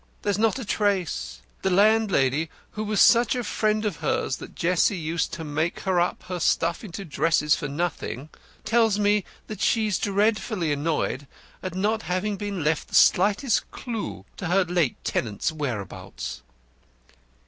There's not a trace. The landlady, who was such a friend of hers that Jessie used to make up her stuff into dresses for nothing, tells me that she's dreadfully annoyed at not having been left the slightest clue to her late tenant's whereabouts."